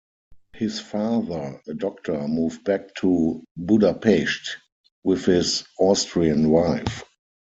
His father a doctor moved back to Budapest with his Austrian wife.